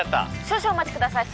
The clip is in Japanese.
少々お待ちください